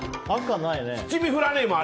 七味振らねえもん、